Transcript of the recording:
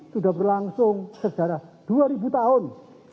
sudah berlangsung sejarah dua ribu tahun